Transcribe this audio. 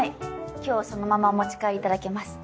今日そのままお持ち帰りいただけます